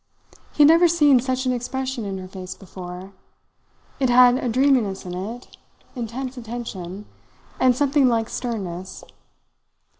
He had never seen such an expression in her face before. It had dreaminess in it, intense attention, and something like sternness.